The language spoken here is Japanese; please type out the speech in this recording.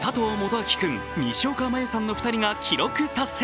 叡君、西岡茉優さんの２人が記録達成。